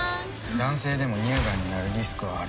男性でも乳がんになるリスクはある。